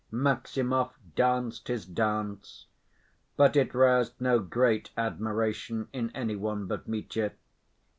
Maximov danced his dance. But it roused no great admiration in any one but Mitya.